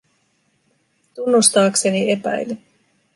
Tunnustaakseni epäilin.